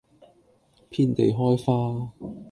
遍地開花